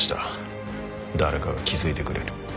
誰かが気づいてくれる。